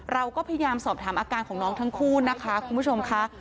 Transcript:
เราก็พยายามสอบถามอาการของน้องทั้งคู่นะคะคุณผู้ชมค่ะ